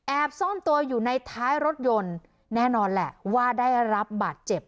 ซ่อนตัวอยู่ในท้ายรถยนต์แน่นอนแหละว่าได้รับบาดเจ็บ